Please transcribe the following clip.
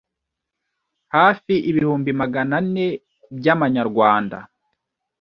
hafi ibihumbi maganane byamanyarwanda